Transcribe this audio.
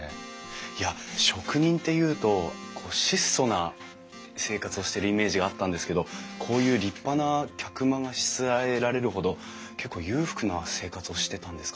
いや職人っていうと質素な生活をしてるイメージがあったんですけどこういう立派な客間がしつらえられるほど結構裕福な生活をしてたんですかね？